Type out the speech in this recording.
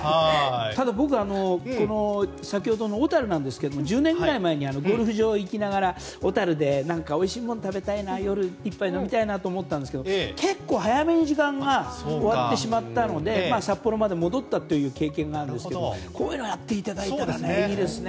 ただ、僕は先ほどの小樽なんですが１０年くらい前にゴルフ場に行きながら小樽で何かおいしいもの食べたいな夜、一杯飲みたいなと思ったんですが結構早めに時間が終わってしまったので札幌まで戻ったという経験があるんですけどこういうのをやっていただいたらいいですね。